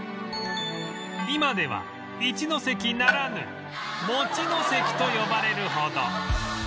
今では一関ならぬもちの関と呼ばれるほど